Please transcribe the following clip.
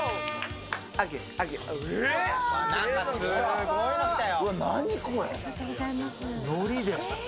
すごいの来たよ。